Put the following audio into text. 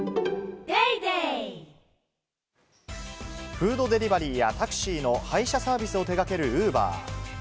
フードデリバリーやタクシーの配車サービスを手掛けるＵｂｅｒ。